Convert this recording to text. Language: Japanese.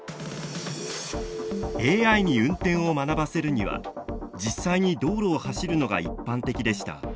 ＡＩに運転を学ばせるには実際に道路を走るのが一般的でした。